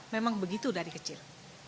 memang begitu dari kecil